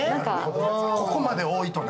ここまで多いとね。